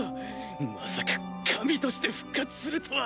まさか神として復活するとは。